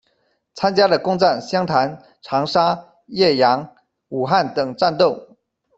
参加了攻占湘潭、长沙、岳阳、武汉等战斗。